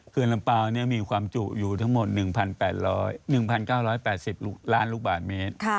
ลำเปล่ามีความจุอยู่ทั้งหมด๑๙๘๐ล้านลูกบาทเมตร